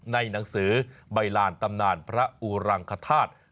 ในหนังสือใบลานตำนานพระอุรังคธาตุ